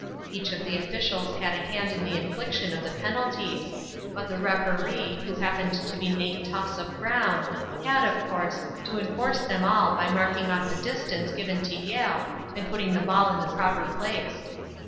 Each of the officials had a hand in the infliction of the penalties, but the Referee, who happened to be Nate Tufts of Brown, had, of course, to enforce them all by marking off the distance given to Yale and putting the ball in the proper place.